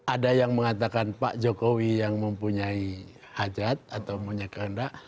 ada yang mengatakan pak jokowi yang mempunyai hajat atau punya kehendak